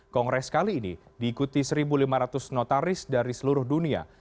kongres kali ini diikuti satu lima ratus notaris dari seluruh dunia